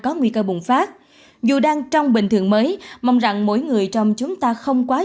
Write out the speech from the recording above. có nguy cơ bùng phát dù đang trong bình thường mới mong rằng mỗi người trong chúng ta không quá